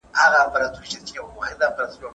د موبایل بندول کله کله د انسان ذهن ته ډاډ بښي.